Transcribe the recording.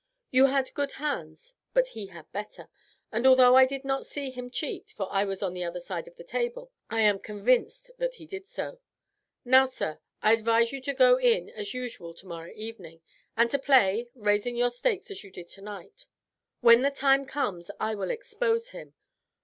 You had good hands, but he had better; and although I did not see him cheat for I was on the other side of the table I am convinced that he did so. Now, sir, I advise you to go in as usual tomorrow evening, and to play, raising your stakes as you did tonight. When the times comes I will expose him.